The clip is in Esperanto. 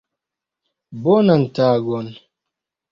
Bonan tagon.